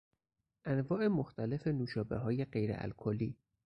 انواع مختلف نوشابههای غیر الکلی